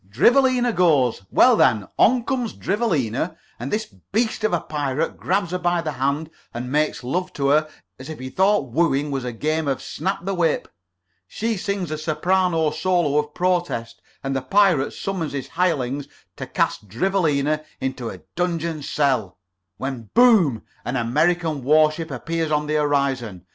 "Drivelina goes. Well, then, on comes Drivelina, and this beast of a pirate grabs her by the hand and makes love to her as if he thought wooing was a game of snap the whip. She sings a soprano solo of protest, and the pirate summons his hirelings to cast Drivelina into a Donjuan cell, when boom! an American war ship appears on the horizon.